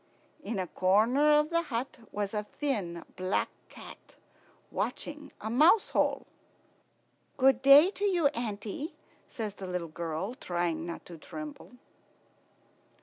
In a corner of the hut was a thin black cat watching a mouse hole. "Good day to you, auntie," says the little girl, trying not to tremble.